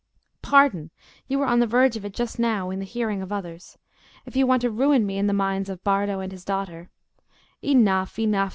"Pardon! you were on the verge of it just now in the hearing of others. If you want to ruin me in the minds of Bardo and his daughter—" "Enough, enough!"